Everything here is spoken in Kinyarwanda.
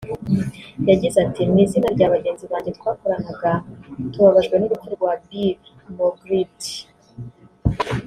yagize ati "Mu izina rya bagenzi banjye twakoranaga tubabajwe n’urupfu rwa Bill Moggridge …”